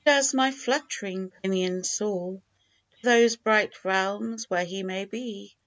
And as my flutt'ring pinions soar To those bright realms, where He may be.